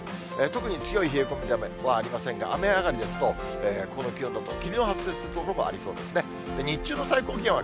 特に強い冷え込みはありませんが、雨上がりですと、この気温だと霧の発生する所がありそうですね。